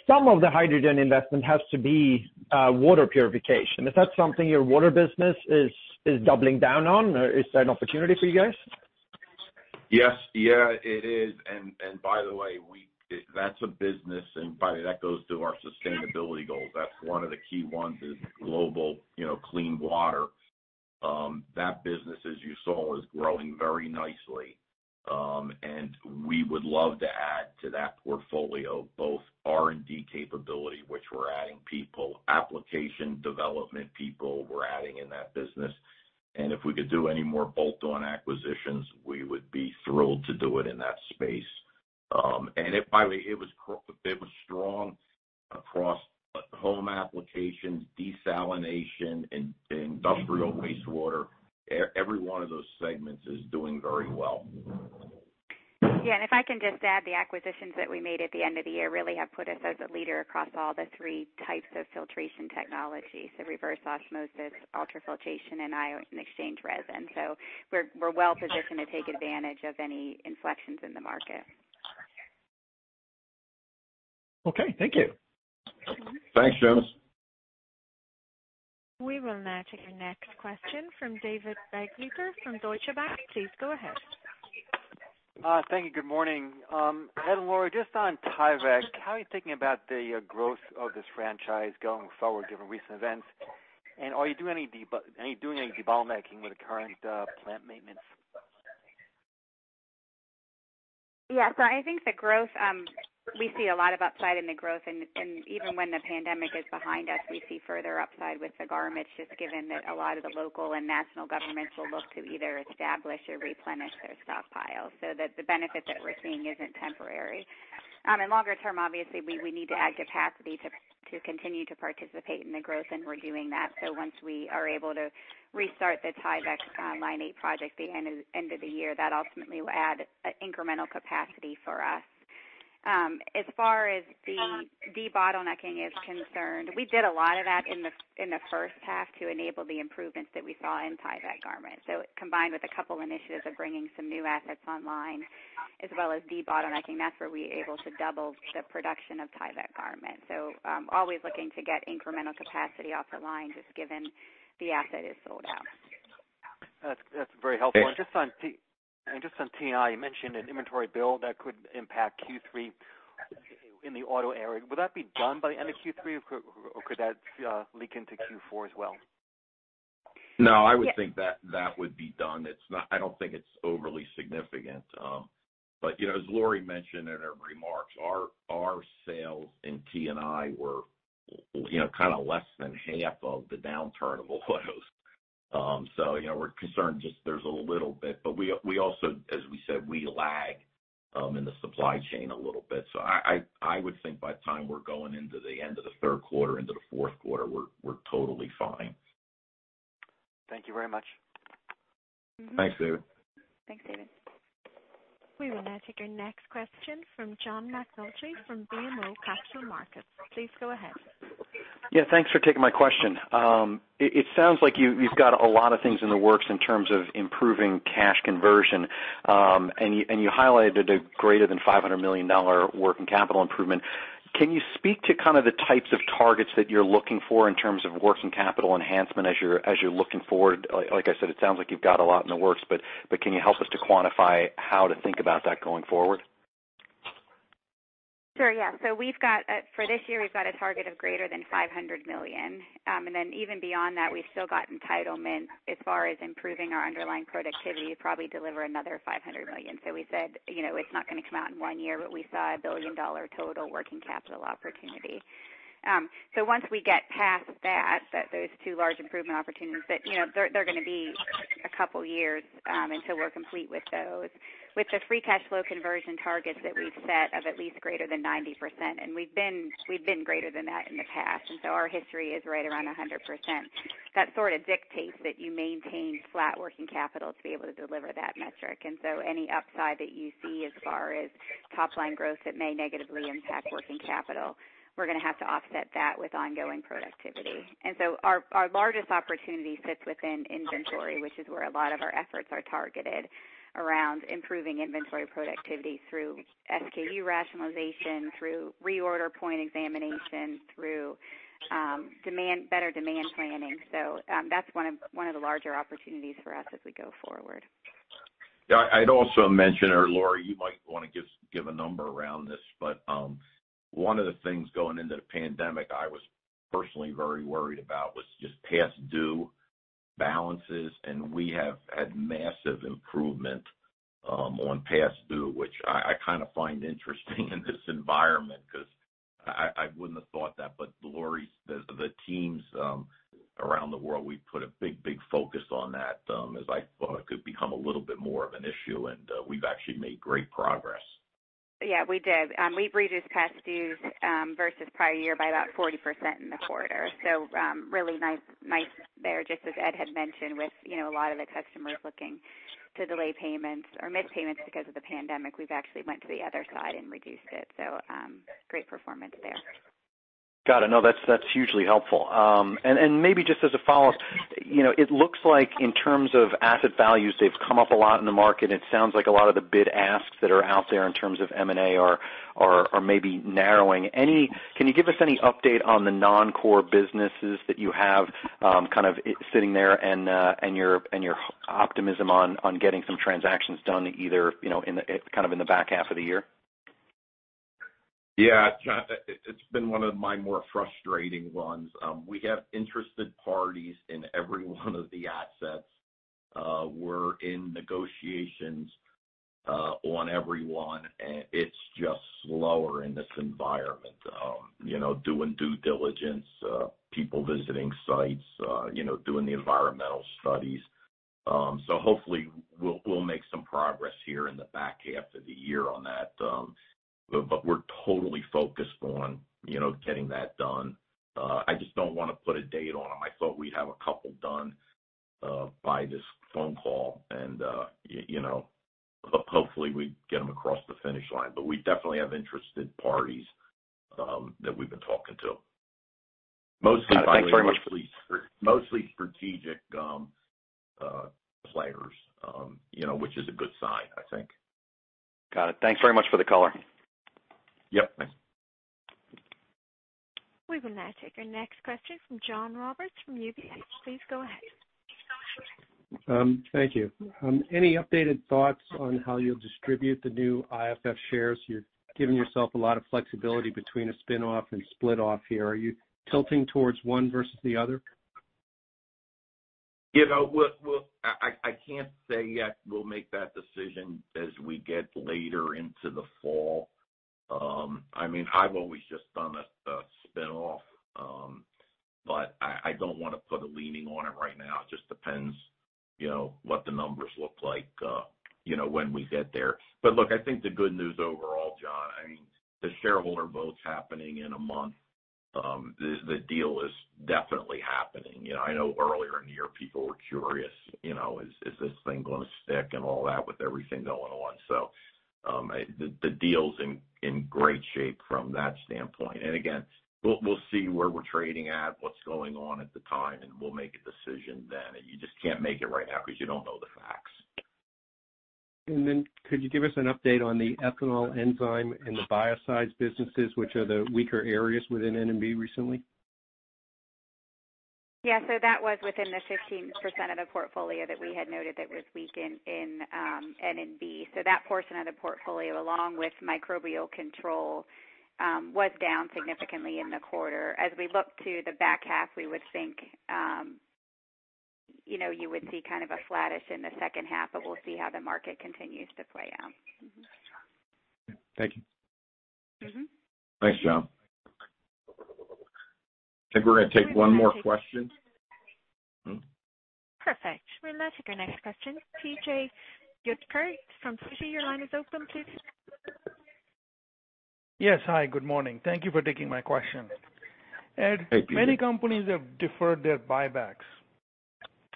some of the hydrogen investment has to be water purification. Is that something your water business is doubling down on? Is that an opportunity for you guys? Yes. Yeah, it is. By the way, that's a business, and that goes to our sustainability goals. That's one of the key ones is global clean water. That business, as you saw, is growing very nicely. We would love to add to that portfolio, both R&D capability, which we're adding people, application development people we're adding in that business. If we could do any more bolt-on acquisitions, we would be thrilled to do it in that space. By the way, it was strong across home applications, desalination, and industrial wastewater. Every one of those segments is doing very well. Yeah. If I can just add, the acquisitions that we made at the end of the year really have put us as a leader across all the three types of filtration technology. Reverse osmosis, ultrafiltration, and ion exchange resin. We're well-positioned to take advantage of any inflections in the market. Okay. Thank you. Thanks, Jonas. We will now take your next question from David Begleiter from Deutsche Bank. Please go ahead. Thank you. Good morning. Ed and Lori, just on Tyvek, how are you thinking about the growth of this franchise going forward, given recent events? Are you doing any debottlenecking with the current plant maintenance? Yeah. I think we see a lot of upside in the growth. Even when the pandemic is behind us, we see further upside with the garments, just given that a lot of the local and national governments will look to either establish or replenish their stockpiles, so that the benefit that we're seeing isn't temporary. In longer term, obviously, we need to add capacity to continue to participate in the growth, and we're doing that. Once we are able to restart the Tyvek Line 8 project at the end of the year, that ultimately will add incremental capacity for us. As far as the debottlenecking is concerned, we did a lot of that in the first half to enable the improvements that we saw in Tyvek garment. Combined with a couple initiatives of bringing some new assets online, as well as debottlenecking, that's where we were able to double the production of Tyvek garment. Always looking to get incremental capacity off the line, just given the asset is sold out. That's very helpful. Thanks. Just on T&I, you mentioned an inventory build that could impact Q3 in the auto area. Will that be done by the end of Q3, or could that leak into Q4 as well? No, I would think that would be done. I don't think it's overly significant. As Lori mentioned in her remarks, our sales in T&I were kind of less than half of the downturn of autos. We're concerned just there's a little bit. As we said, we lag in the supply chain a little bit. I would think by the time we're going into the end of the third quarter into the fourth quarter, we're totally fine. Thank you very much. Thanks, David. Thanks, David. We will now take our next question from John McNulty from BMO Capital Markets. Please go ahead. Yeah. Thanks for taking my question. It sounds like you've got a lot of things in the works in terms of improving cash conversion. You highlighted a greater than $500 million working capital improvement. Can you speak to kind of the types of targets that you're looking for in terms of working capital enhancement as you're looking forward? Like I said, it sounds like you've got a lot in the works, but can you help us to quantify how to think about that going forward? Sure. For this year, we've got a target of greater than $500 million. Even beyond that, we've still got entitlement as far as improving our underlying productivity to probably deliver another $500 million. We said it's not going to come out in one year, but we saw a billion-dollar total working capital opportunity. Once we get past that, those two large improvement opportunities, they're going to be a couple years until we're complete with those. With the free cash flow conversion targets that we've set of at least greater than 90%, and we've been greater than that in the past, and so our history is right around 100%. That sort of dictates that you maintain flat working capital to be able to deliver that metric. Any upside that you see as far as top-line growth that may negatively impact working capital, we're going to have to offset that with ongoing productivity. Our largest opportunity sits within inventory, which is where a lot of our efforts are targeted around improving inventory productivity through SKU rationalization, through reorder point examination, through better demand planning. That's one of the larger opportunities for us as we go forward. Yeah. I'd also mention, or Lori, you might want to give a number around this, but one of the things going into the pandemic I was personally very worried about was just past due balances, and we have had massive improvement on past due, which I kind of find interesting in this environment because I wouldn't have thought that. Lori, the teams around the world, we put a big focus on that as I thought it could become a little bit more of an issue, and we've actually made great progress. Yeah, we did. We've reduced past dues versus prior year by about 40% in the quarter. Really nice there. Just as Ed had mentioned with a lot of the customers looking to delay payments or miss payments because of the pandemic, we've actually went to the other side and reduced it. Great performance there. Got it. No, that's hugely helpful. Maybe just as a follow-up, it looks like in terms of asset values, they've come up a lot in the market. It sounds like a lot of the bid asks that are out there in terms of M&A are maybe narrowing. Can you give us any update on the non-core businesses that you have kind of sitting there and your optimism on getting some transactions done either kind of in the back half of the year? Yeah, John, it's been one of my more frustrating ones. We have interested parties in every one of the assets. We're in negotiations on every one, and it's just slower in this environment, doing due diligence, people visiting sites, doing the environmental studies. Hopefully, we'll make some progress here in the back half of the year on that. We're totally focused on getting that done. I just don't want to put a date on them. I thought we'd have a couple done by this phone call and hopefully we get them across the finish line. We definitely have interested parties that we've been talking to. Got it. Thanks very much. Mostly strategic players, which is a good sign, I think. Got it. Thanks very much for the color. Yep. We will now take our next question from John Roberts from UBS. Please go ahead. Thank you. Any updated thoughts on how you'll distribute the new IFF shares? You're giving yourself a lot of flexibility between a spin-off and split off here. Are you tilting towards one versus the other? I can't say yet. We'll make that decision as we get later into the fall. I've always just done a spin-off, but I don't want to put a leaning on it right now. It just depends what the numbers look like when we get there. Look, I think the good news overall, John, the shareholder vote's happening in a month. The deal is definitely happening. I know earlier in the year, people were curious, "Is this thing going to stick?" And all that with everything going on. So, the deal's in great shape from that standpoint. Again, we'll see where we're trading at, what's going on at the time, and we'll make a decision then. You just can't make it right now because you don't know the facts. Could you give us an update on the ethanol enzyme and the biocides businesses, which are the weaker areas within N&B recently? Yeah. That was within the 15% of the portfolio that we had noted that was weak in N&B. That portion of the portfolio, along with microbial control, was down significantly in the quarter. As we look to the back half, we would think you would see kind of a flattish in the second half, we'll see how the market continues to play out. Mm-hmm. Thank you. Thanks, John. I think we're going to take one more question. Perfect. We'll now take our next question, PJ Juvekar from Citi. Your line is open, PJ. Yes. Hi, good morning. Thank you for taking my question. Thank you. Ed, many companies have deferred their buybacks,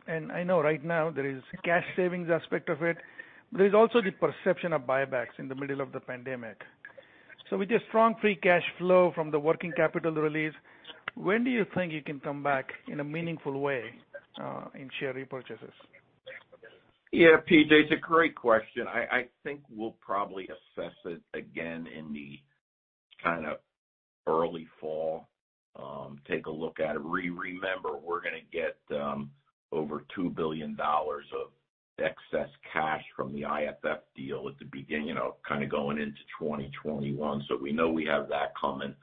and I know right now there is cash savings aspect of it. There is also the perception of buybacks in the middle of the pandemic. With your strong free cash flow from the working capital release, when do you think you can come back in a meaningful way, in share repurchases? Yeah, PJ, it's a great question. I think we'll probably assess it again in the kind of early fall. Take a look at it. Remember, we're going to get over $2 billion of excess cash from the IFF deal at the beginning of going into 2021. We know we have that coming.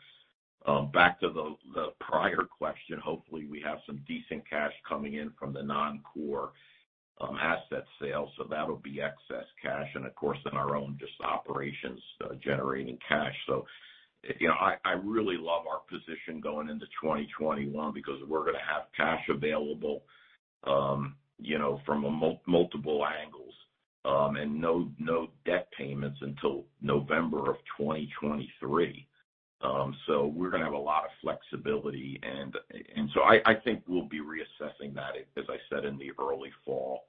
Back to the prior question, hopefully we have some decent cash coming in from the non-core asset sale, so that'll be excess cash. Of course, in our own just operations generating cash. I really love our position going into 2021 because we're going to have cash available from multiple angles, and no debt payments until November of 2023. We're going to have a lot of flexibility and so I think we'll be reassessing that, as I said, in the early fall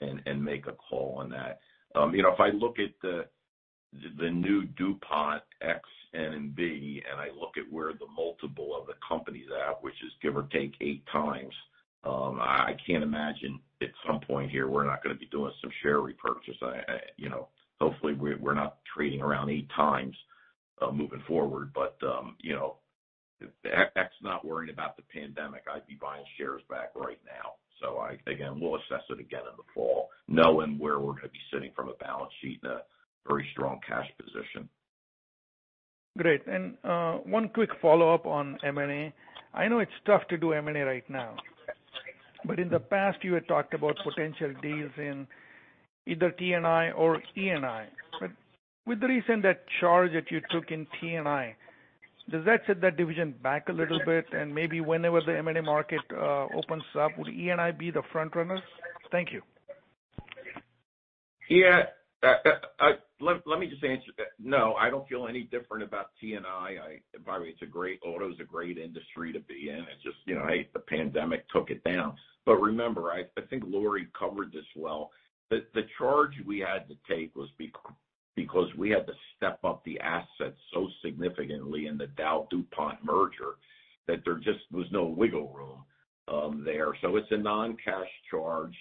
and make a call on that. If I look at the new DuPont N&B, and I look at where the multiple of the company's at, which is give or take 8x, I can't imagine at some point here we're not going to be doing some share repurchase. Hopefully we're not trading around 8x moving forward. That's not worrying about the pandemic, I'd be buying shares back right now. Again, we'll assess it again in the fall, knowing where we're going to be sitting from a balance sheet and a very strong cash position. Great. One quick follow-up on M&A. I know it's tough to do M&A right now. Yes. In the past, you had talked about potential deals in either T&I or E&I. With the recent charge that you took in T&I, does that set that division back a little bit? Maybe whenever the M&A market opens up, would E&I be the front-runner? Thank you. Yeah. Let me just answer that. No, I don't feel any different about T&I. Auto's a great industry to be in. It's just the pandemic took it down. Remember, I think Lori covered this well. The charge we had to take was because we had to step up the assets so significantly in the DowDuPont merger that there just was no wiggle room there. It's a non-cash charge.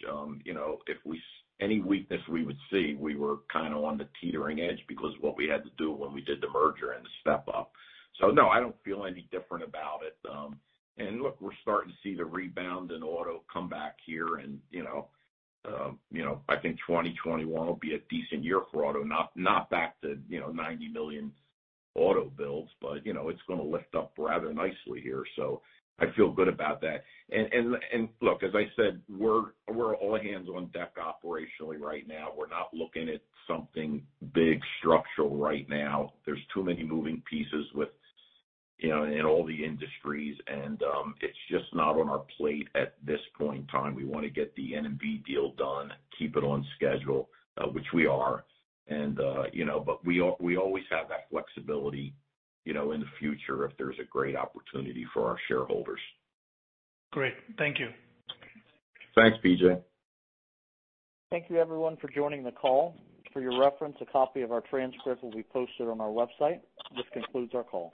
Any weakness we would see, we were kind of on the teetering edge because of what we had to do when we did the merger and the step up. No, I don't feel any different about it. Look, we're starting to see the rebound in auto come back here and I think 2021 will be a decent year for auto. Not back to 90 million auto builds. It's going to lift up rather nicely here. I feel good about that. Look, as I said, we're all hands on deck operationally right now. We're not looking at something big structural right now. There's too many moving pieces in all the industries. It's just not on our plate at this point in time. We want to get the N&B deal done, keep it on schedule, which we are. We always have that flexibility in the future if there's a great opportunity for our shareholders. Great. Thank you. Thanks, PJ. Thank you everyone for joining the call. For your reference, a copy of our transcript will be posted on our website. This concludes our call.